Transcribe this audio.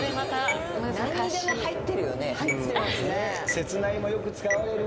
「せつない」もよく使われる。